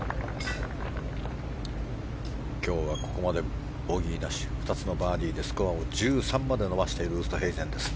今日はここまでボギーなし２つのバーディーでスコアを１３まで伸ばしているウーストヘイゼンです。